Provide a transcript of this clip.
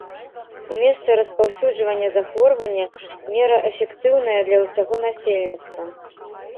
У месцы распаўсюджвання захворвання мера эфектыўная для ўсяго насельніцтва.